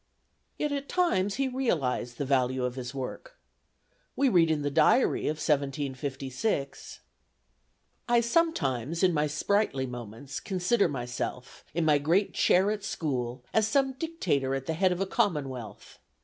Yet at times he realized the value of his work. We read in the diary of 1756: "I sometimes in my sprightly moments consider myself, in my great chair at school, as some dictator at the head of a commonwealth.